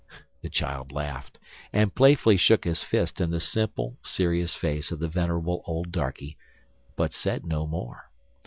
The child laughed, and playfully shook his fist in the simple, serious face of the venerable old darkey, but said no more.